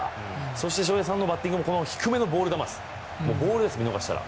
そして翔平さんのバッティング低めのボール球ボールです、見逃したら。